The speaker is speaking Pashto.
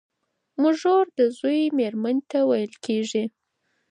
مږور د زوی مېرمني ته ويل کيږي.